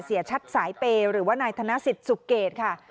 เสียชัดสายเปย์หรือว่านายธนสิทธิ์สุเกตค่ะ